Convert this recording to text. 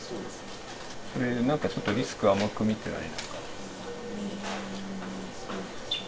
なんかちょっとリスク甘く見てない？